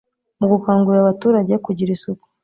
mu gukangurira abaturage kugira isuku